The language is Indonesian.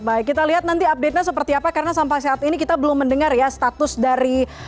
baik kita lihat nanti update nya seperti apa karena sampai saat ini kita belum mendengar ya status dari